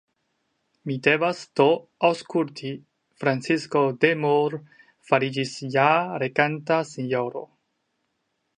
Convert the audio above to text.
Mi devas do aŭskulti, Francisko de Moor fariĝis ja reganta sinjoro.